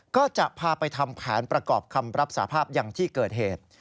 ก็จะพาไปทำแผนประกอบคำรับสาภาพอย่างที่เกิดเหตุ